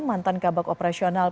mantan kabak operasional